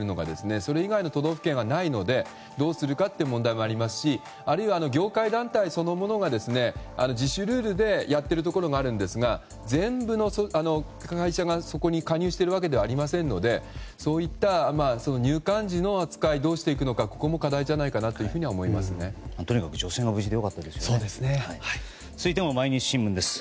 それ以外の都道府県はないのでどうするかという問題もありますしあるいは、業界団体そのものが自主ルールでやっているところもあるんですが全部の会社がそこに加入しているわけではありませんのでそういった入館時の扱いをどうしていくのかここも課題じゃないかと思いますね。